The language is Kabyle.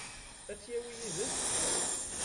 Ad tt-yawi yid-s?